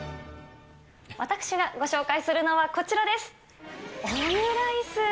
私がご紹介するのはこちらです。